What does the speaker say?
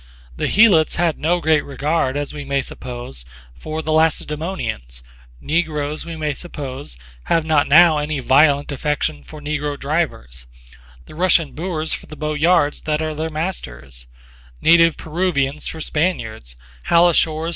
The Helotes had no great regard, as we may suppose, for the Lacedaemonians; Negroes, we may suppose, have not now any violent affection for Negro drivers; the Russian boors for the Boyards that are their masters; native Peruvians / [198a is blank] / [I98b follows] for Spaniards; Hallashores [?